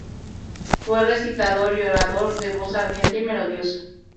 Fue recitador y orador de voz ardiente y melodiosa.